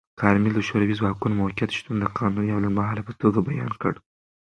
کارمل د شوروي ځواکونو موقت شتون د قانوني او لنډمهاله په توګه بیان کړ.